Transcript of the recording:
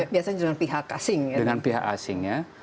biasanya dengan pihak asing